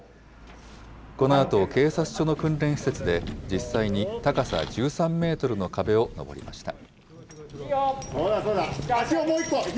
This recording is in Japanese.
このあと、警察署の訓練施設で、実際に高さ１３メートルの壁を登りました。